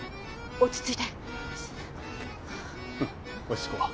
落ち着いてはぁ。